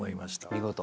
見事。